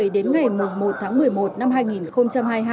đến ngày một tháng một mươi một năm hai nghìn hai mươi hai